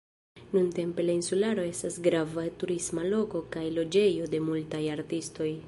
Nuntempe la insularo estas grava turisma loko kaj loĝejo de multaj artistoj.